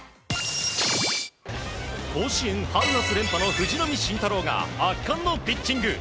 甲子園春夏連覇の藤浪晋太郎が圧巻のピッチング。